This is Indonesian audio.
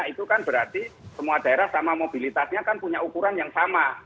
itu kan berarti semua daerah sama mobilitasnya kan punya ukuran yang sama